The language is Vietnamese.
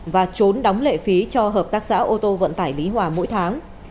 và trốn đóng lệ phí cho hợp tác xã ô tô vận tải lý hòa mỗi tháng